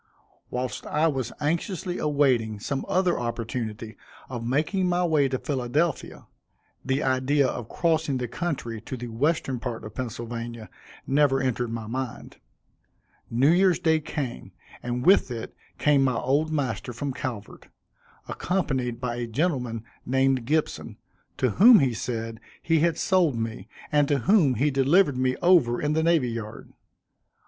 Whilst I was anxiously awaiting some other opportunity of making my way to Philadelphia, (the idea of crossing the country to the western part of Pennsylvania, never entered my mind,) New Year's day came, and with it came my old master from Calvert, accompanied by a gentleman named Gibson, to whom, he said, he had sold me, and to whom he delivered me over in the Navy Yard.